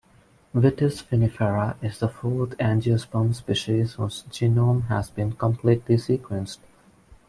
"Vitis vinifera" is the fourth angiosperm species whose genome has been completely sequenced.